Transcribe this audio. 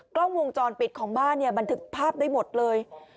กล้องวงจรปิดของบ้านมันถึงภาพได้หมดเลย